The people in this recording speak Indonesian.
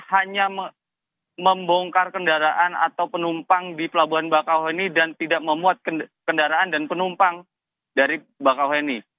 hanya membongkar kendaraan atau penumpang di pelabuhan bakauheni dan tidak memuat kendaraan dan penumpang dari bakauheni